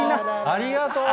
ありがとう。